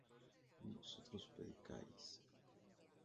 vosotros predicáis